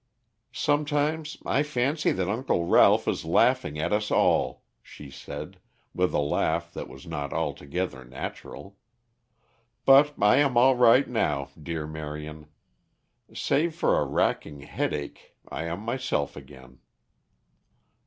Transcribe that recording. "Sometimes I fancy that Uncle Ralph is laughing at us all," she said, with a laugh that was not altogether natural. "But I am all right now, dear Marion. Save for a racking headache, I am myself again."